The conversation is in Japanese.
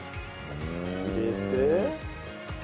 入れて。